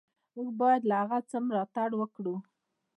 موږ باید له هغه څه ملاتړ وکړو.